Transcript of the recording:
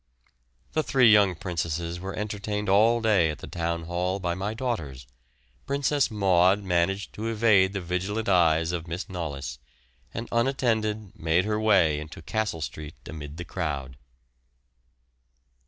The three young princesses were entertained all day at the Town Hall by my daughters. Princess Maud managed to evade the vigilant eyes of Miss Knollys, and unattended made her way into Castle Street amid the crowd.